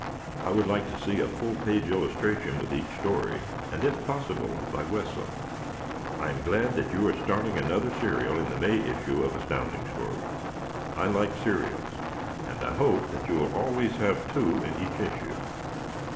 I would like to see a full page illustration with each story, and if possible by Wesso. I am glad that you are starting another serial in the May issue of Astounding Stories. I like serials and I hope that you will always have two in each issue.